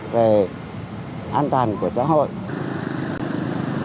về an toàn của xã hội